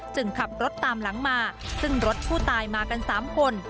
ขับรถตามหลังมาซึ่งรถผู้ตายมากัน๓คน